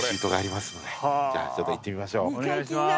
ちょっと行ってみましょう。